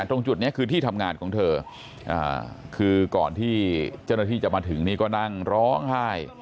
ตรงจุดนี้คือที่ทำงานของเธอคือก่อนที่เจ้าหน้าที่จะมาถึงนี่ก็นั่งร้องไห้